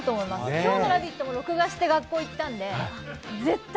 今日の「ラヴィット！」も録画して学校に行ったんで。